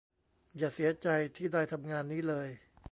อย่าเสียใจที่ได้ทำงานนี้เลย